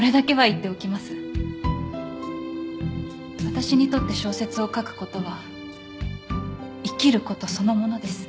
私にとって小説を書く事は生きる事そのものです。